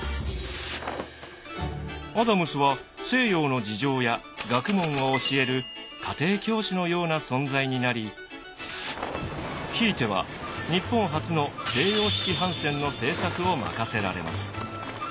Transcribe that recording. アダムスは西洋の事情や学問を教える家庭教師のような存在になりひいては日本初の西洋式帆船の製作を任せられます。